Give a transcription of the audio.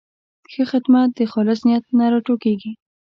ښه خدمت د خالص نیت نه راټوکېږي.